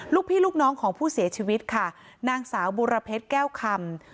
ลูกพี่ลูกน้องของผู้เสียชีวิตค่ะนางสาวบุรเพชรแก้วคำ